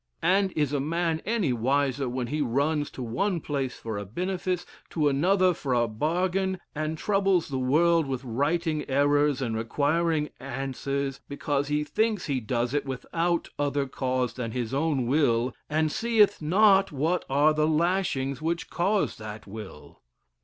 And is a man any wiser when he runs to one place for a benifice, to another for a bargain, and troubles the world with writing errors, and requiring answers, because he thinks he does it without other cause than his own will, and seeth not what are the lashings which cause that will?"